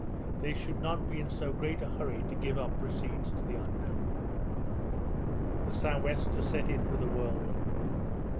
They should not be in so great a hurry to give receipts to the Unknown. The sou' wester set in with a whirlwind.